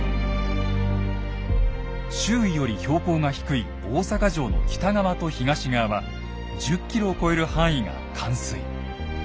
周囲より標高が低い大坂城の北側と東側は１０ｋｍを超える範囲が冠水。